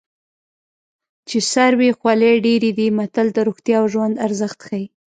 چې سر وي خولۍ ډېرې دي متل د روغتیا او ژوند ارزښت ښيي